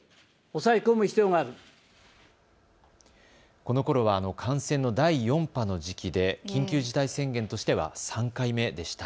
このころは、感染の第４波の時期で緊急事態宣言としては３回目でした。